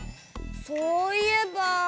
そういえば。